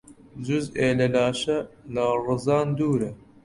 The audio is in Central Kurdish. جوزئێ لە لاشە لە ڕزان دوورە